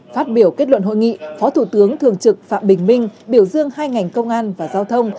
phát biểu kết luận hội nghị phó thủ tướng thường trực phạm bình minh biểu dương hai ngành công an và giao thông